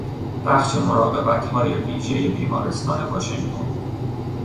بخش مراقبتهای ویژه بیمارستان واشنگتن